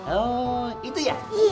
oh itu ya